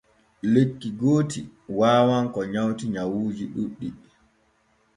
Lekki gooti waawan ko nywati nyawuuji ɗiɗi.